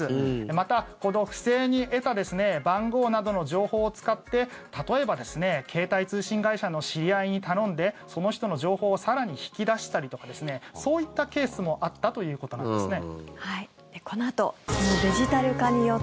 また、不正に得た番号などの情報を使って例えば、携帯通信会社の知り合いに頼んでその人の情報を更に引き出したりとかそういったケースもあったということなんですね。